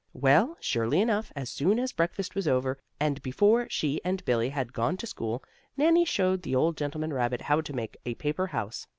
Well, surely enough, as soon as breakfast was over, and before she and Billie had gone to school, Nannie showed the old gentleman rabbit how to make a paper house.